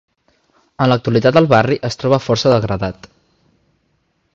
En l'actualitat el barri es troba força degradat.